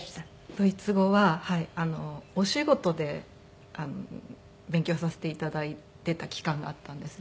ドイツ語はお仕事で勉強させて頂いていた期間があったんですね。